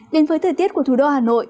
đến với thời tiết của thủ đô hà nội